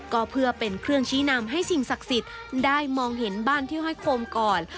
ก็เพื่อเป็นเครื่องชี้นำให้สิ่งศักดิ์สิทธิ์ได้มองเห็นบ้านที่ห้อยโคมก่อน